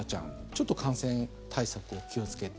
ちょっと感染対策を気をつけて。